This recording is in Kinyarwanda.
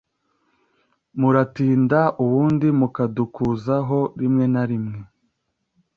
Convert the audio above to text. muratinda ubundi mukadukuzaho rimwe na rimwe